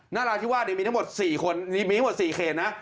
ณราธิวาสเนี่ยมีทั้งหมดสี่คนมีทั้งหมดสี่เขตนะ